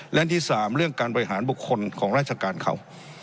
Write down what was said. และที่๓เรื่องการบริหารบุคคลของราชการเขา